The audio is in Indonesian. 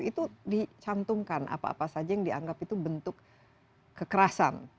itu dicantumkan apa apa saja yang dianggap itu bentuk kekerasan